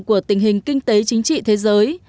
của tình hình kinh tế chính trị thế giới